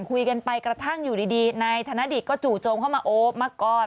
คุยกันไปกระทั่งอยู่ดีนายธนดิตก็จู่โจมเข้ามาโอบมากอด